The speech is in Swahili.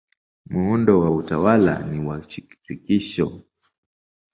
Muundo wa utawala ni wa shirikisho.